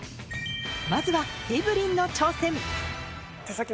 まずはエブリンの挑戦！